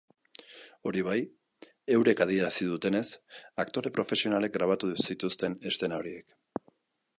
Hori bai, eurek adierazi dutenez, aktore profesionalek grabatu zituzten eszena horiek.